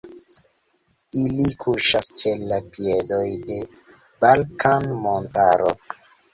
Ili kuŝas ĉe la piedoj de Balkan-montaro.